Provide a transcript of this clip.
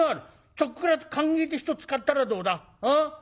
ちょっくら考えて人使ったらどうだ？ああ？